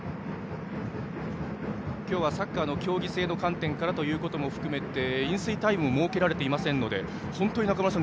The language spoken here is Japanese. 今日はサッカーの競技性の観点からということも含めて飲水タイムも設けられていませんので本当に中村さん